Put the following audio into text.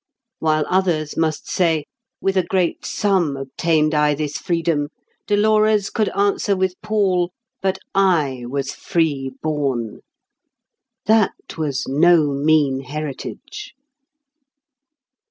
While others must say, "With a great sum obtained I this freedom," Dolores could answer with Paul, "But I was free born." That was no mean heritage.